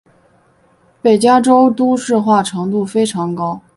北加州都市化程度非常高。